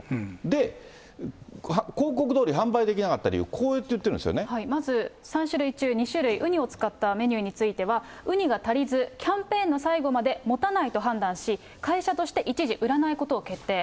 で、広告どおり販売できなかった理由、まず３種類中２種類、ウニを使ったメニューについては、ウニが足りず、キャンペーンの最後まで、もたないと判断し、会社として一時、売らないことを決定。